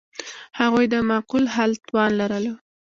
هغوی د معقول حل توان لرلو.